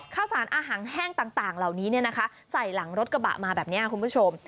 ข้าวสารอาหารแห้งต่างเหล่านี้ใส่หลังรถกระบะมาแบบนี้คุณผู้ชม